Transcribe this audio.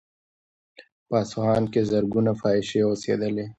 په اصفهان کې زرګونه فاحشې اوسېدلې.